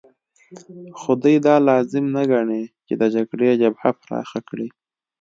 خو دوی دا لازم نه ګڼي چې د جګړې جبهه پراخه کړي